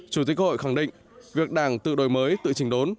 chủ tịch hội khẳng định việc đảng tự đổi mới tự trình đốn